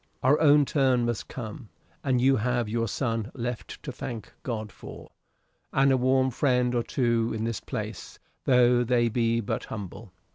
Our own turn must come. And you have your son left to thank God for, and a warm friend or two in this place, tho' they be but humble."